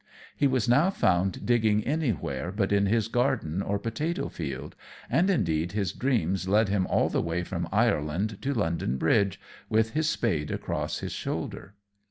He was now found digging anywhere but in his garden or potatoe field; and indeed his dreams led him all the way from Ireland to London bridge, with his spade across his shoulder.